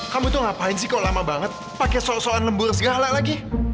kamu tuh ngapain sih kok lama banget pakai sol soan lembur segala lagi